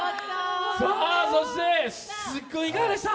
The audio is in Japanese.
そして鈴木君、いかがでした？